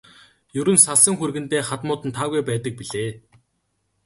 Ер нь салсан хүргэндээ хадмууд нь таагүй байдаг билээ.